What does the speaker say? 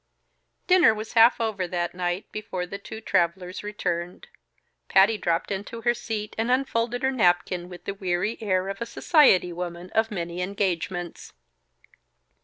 Dinner was half over that night before the two travelers returned. Patty dropped into her seat and unfolded her napkin, with the weary air of a society woman of many engagements.